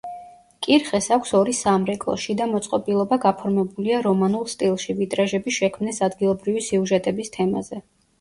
კირხეს აქვს ორი სამრეკლო, შიდა მოწყობილობა გაფორმებულია რომანულ სტილში, ვიტრაჟები შექმნეს ადგილობრივი სიუჟეტების თემაზე.